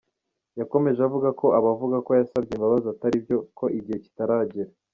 Yakomeje avuga ko abavuga ko yasabye imbabazi atari byo, ko igihe kitaragera.